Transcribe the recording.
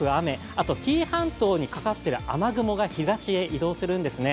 あと紀伊半島にかかっている雨雲が東へ移動するんですね。